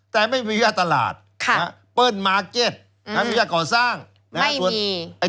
แต่ไม่มีบรรยาทตลาดปเปิล์ดมาร์เก็ตมีบรรยาทก่อสร้างไม่มี